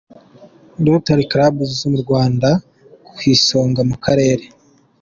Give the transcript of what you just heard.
Rotary Clubs zo mu Rwanda ku isonga mu Karere.